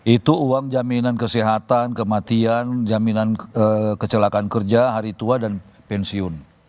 itu uang jaminan kesehatan kematian jaminan kecelakaan kerja hari tua dan pensiun